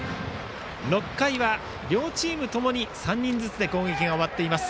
６回は両チームともに３人ずつで攻撃が終わっています。